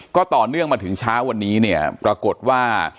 ก็ต่อเนื่องมาถึงเช้าปรากฏว่า